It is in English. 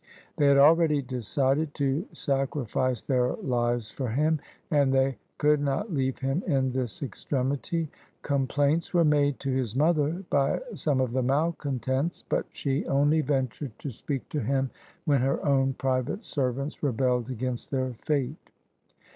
They had already decided to sacrifice their lives for him, and they could not leave him in this extremity. Complaints were made to his mother by some of the malcontents, but she only ventured to speak to him when her own private servants rebelled against their fate.